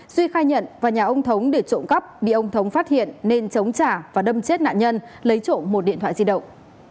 duy khai nhận vào nhà ông thống để trộm cắp bị ông thống phát hiện nên chống trả và đâm chết nạn nhân lấy trộm một điện thoại di động